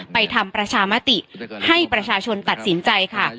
ทำประชามติให้ประชาชนตัดสินใจค่ะ